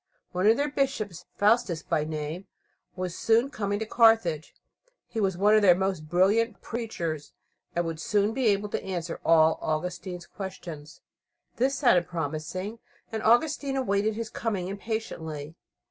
One of their bishops, Faustus by name, was soon coming to Carthage. He was one of their most brilliant preachers, and would be able to answer all Augustine's questions. This sounded promising, and Augustine awaited his coming impatiently.